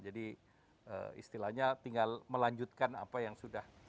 jadi istilahnya tinggal melanjutkan apa yang sudah dilakukan